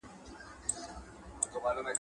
تاسو د خپلو وېښتانو په مینځلو بوخت یاست.